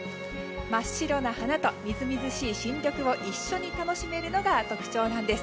真っ白な花とみずみずしい新緑を一緒に楽しめるのが特徴なんです。